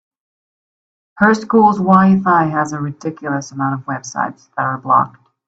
Her school’s WiFi has a ridiculous amount of websites that are blocked.